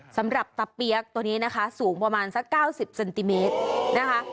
สำหรับตะเปี๊ยกตัวนี้นะคะสูงประมาณสัก๙๐เซนติเมตรนะคะ